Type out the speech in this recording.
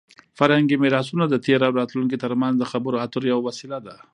فرهنګي میراثونه د تېر او راتلونکي ترمنځ د خبرو اترو یوه وسیله ده.